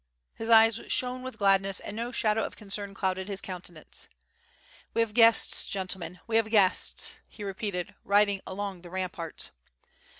His eyes shone with gladness and no shadow of concern clouded his countenance. "We have guests, gentlemen, we have guests,'* he repeated, riding along the ramparts.